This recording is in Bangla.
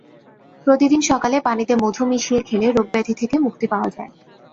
প্রতিদিন সকালে পানিতে মধু মিশিয়ে খেলে রোগব্যাধি থেকে মুক্তি পাওয়া যায়।